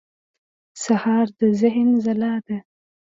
سهار د ذهن ځلا ده.